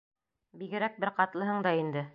Бигерәк бер ҡатлыһың да инде...